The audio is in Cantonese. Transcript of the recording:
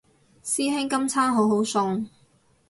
師兄今餐好好餸